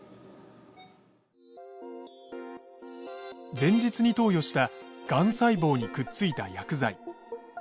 前日に投与したがん細胞にくっついた薬剤。